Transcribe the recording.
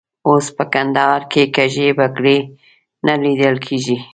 اوس په کندهار کې کږې بګړۍ نه لیدل کېږي.